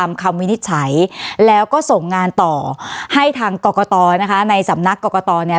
มีนิตถัยแล้วก็ส่งงานต่อให้ทางกกตนักกกตนะคะในสำนักกกตเนี้ย